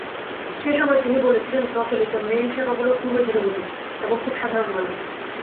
সেসময় তিনি বলেছিলেন, প্রচলিত মেইল সেবাগুলো খুবই ধীরগতির এবং খুব সাধারণ মানের।